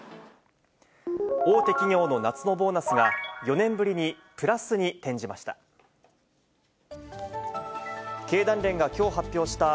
大手企業の夏のボーナスが、４年ぶりにプラスに転じました。